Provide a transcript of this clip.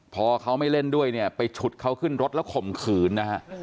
พอเขาไม่เล่นด้วยเนี่ยไปฉุดเขาขึ้นรถแล้วข่มขืนนะฮะ